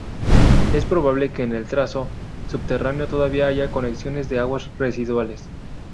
Es probable que en el trazado subterráneo todavía haya conexiones de aguas residuales.